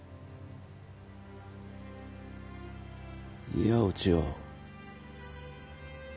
いいやお千代。